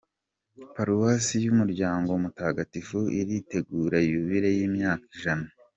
Paruwasi y’Umuryango Mutagatifu iritegura Yubile y’imyaka Ijana